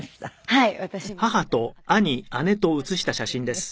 はい。